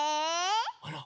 あら？